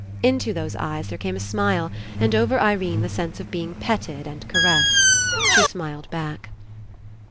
Into those eyes there came a smile and over Irene the sense of being petted and ca ressed. She smiled back.